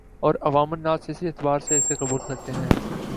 اور عوام الناس اسی اعتبار سے اسے قبول کرتے ہیں